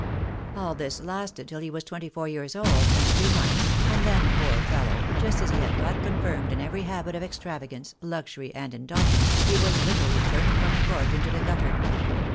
All this lasted tiU he was twenty four years old and three months, and then, poor fellow, just as he had got confirmed in every habit of extravagance, luxury, and indulgence, he was literally turned from the court into the gutter.